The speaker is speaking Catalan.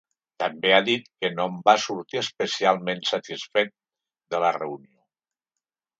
També ha dit que no en va sortir ‘especialment satisfet’, de la reunió.